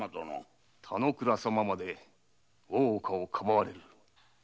田之倉様まで大岡をかばわれる。